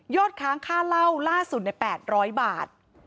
ค้างค่าเล่าล่าสุดใน๘๐๐บาท